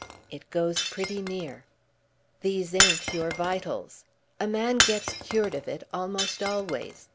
"It goes pretty near." "These ain't your vitals. A man gets cured of it, almost always.